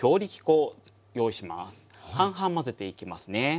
半々混ぜていきますね。